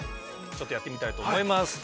ちょっとやってみたいと思います。